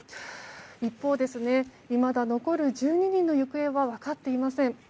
一方でいまだ残る１４人の行方は分かっていません。